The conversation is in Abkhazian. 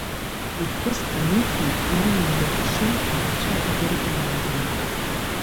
Иԥҳәыс Ҳанифи, иани, иаҳәшьеи аӷацәа идырбаандаҩит.